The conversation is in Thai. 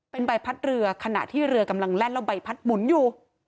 เป็นใบพัดเรือขณะที่เรือกำลังแล่นแล้วใบพัดหมุนอยู่